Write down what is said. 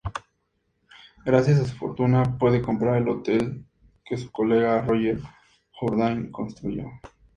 Gracias a su fortuna, puede comprar el hotel que su colega Roger Jourdain construyó.